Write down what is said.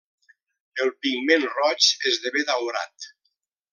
El pigment roig esdevé daurat.